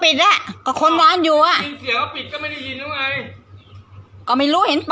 ปลอดภัยอาการจดลองกฏิภาพที่สุด